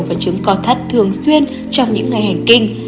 và chứng co thắt thường xuyên trong những ngày hành kinh